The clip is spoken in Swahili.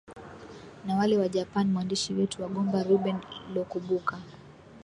na wale wa japan mwandishi wetu wa gomba reuben lokubuka